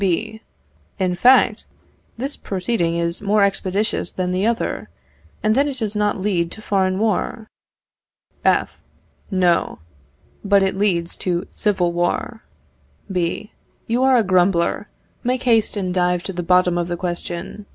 B. In fact, this proceeding is more expeditious than the other, and then it does not lead to foreign war. F. No, but it leads to civil war. B. You are a grumbler. Make haste and dive to the bottom of the question.